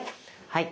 はい。